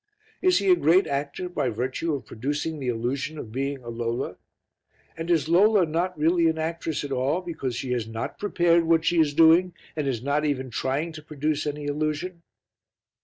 Is he a great actor by virtue of producing the illusion of being a Lola? And is Lola not really an actress at all, because she has not prepared what she is doing and is not even trying to produce any illusion?